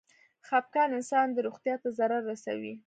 خپګان انسان د روغتيا ته ضرر رسوي.